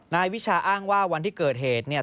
นายวิชาอ้างว่าวันที่เกิดเหตุเนี่ย